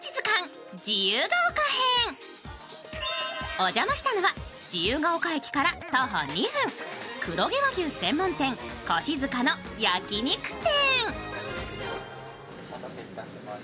お邪魔したのは自由が丘駅から徒歩２分、黒毛和牛専門店、腰塚の焼き肉店。